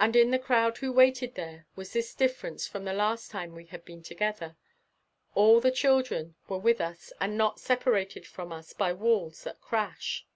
And in the crowd who waited there was this difference from the last time we had been together: All the children were with us and not separated from us by walls that crash.